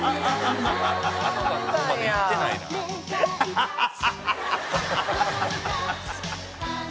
アハハハ！